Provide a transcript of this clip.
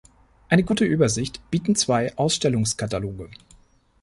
Eine gute Übersicht bieten zwei Ausstellungskataloge.